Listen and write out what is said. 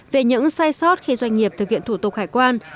về những sai sót khi doanh nghiệp thực hiện thủ tục hải quan